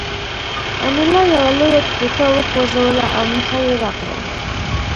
انیلا یوه لویه ټوټه وخوځوله او نښه یې راکړه